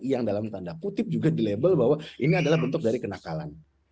yang dalam tanda kutip juga dilabel bahwa ini adalah bentuk dari kenakalan